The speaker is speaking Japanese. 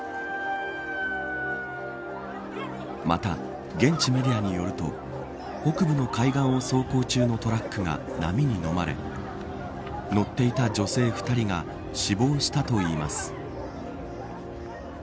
また、現地メディアによると北部の海岸を走行中のトラックが波にのまれ乗っていた女性２人が死亡したといいます。